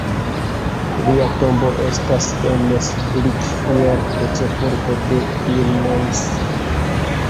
Lia tombo estas en Springfield, ĉefurbo de Ilinojso.